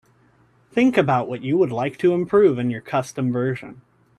Think about what you would like to improve in your custom version.